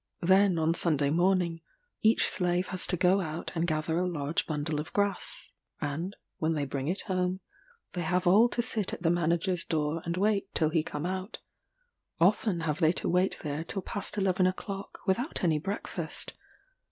Then, on Sunday morning, each slave has to go out and gather a large bundle of grass; and, when they bring it home, they have all to sit at the manager's door and wait till he come out: often have they to wait there till past eleven o'clock, without any breakfast.